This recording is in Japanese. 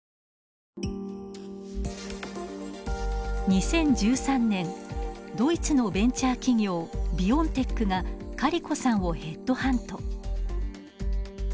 ２０１３年ドイツのベンチャー企業ビオンテックがカリコさんをヘッドハント。